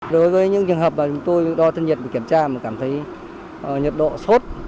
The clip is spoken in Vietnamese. đối với những trường hợp mà chúng tôi đo thân nhiệt để kiểm tra mà cảm thấy nhiệt độ sốt